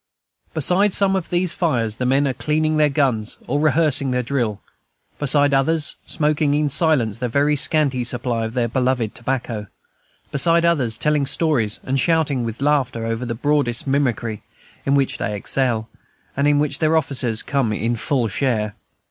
Beside some of these fires the men are cleaning their guns or rehearsing their drill, beside others, smoking in silence their very scanty supply of the beloved tobacco, beside others, telling stories and shouting with laughter over the broadest mimicry, in which they excel, and in which the officers come in for a full share.